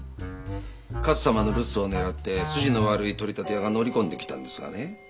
勝様の留守を狙って筋の悪い取り立て屋が乗り込んできたんですがね